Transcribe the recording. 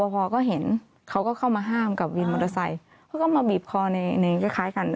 พอก็เห็นเขาก็เข้ามาห้ามกับวินมอเตอร์ไซค์เขาก็มาบีบคอในคล้ายกัน